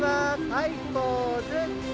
はいポーズ。